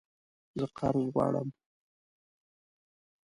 زه قرض غواړم